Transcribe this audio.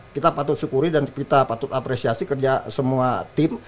kita patut syukuri dan kita patut apresiasi kerja semua tim